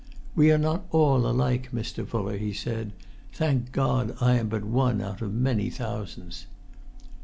"We are not all alike, Mr. Fuller," he said; "thank God, I am but one out of many thousands."